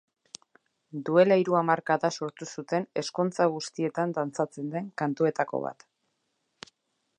Duela hiru hamarkada sortu zuten ezkontza guztietan dantzatzen den kantuetako bat.